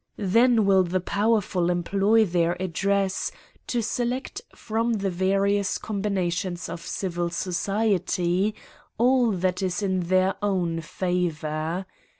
Then will the powerful employ their address to select from the various combinations of civil society all that is in their own favour.